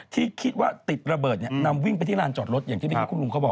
ที่คิดว่าติดระเบิดเนี่ยนำวิ่งไปที่ลานจอดรถอย่างที่เมื่อกี้คุณลุงเขาบอก